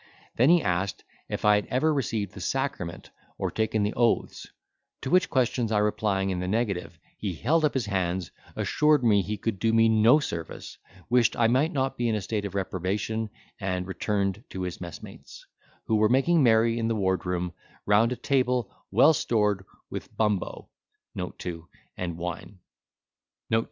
Then he asked if I had ever received the sacrament, or taken the oaths; to which questions, I replying in the negative, he held up his hands, assured me he could do me no service, wished I might not be in a state of reprobation, and returned to his messmates, who were making merry in the ward room, round a table well stored with bumbo(2) and wine.